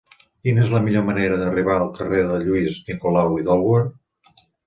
Quina és la millor manera d'arribar al carrer de Lluís Nicolau i d'Olwer?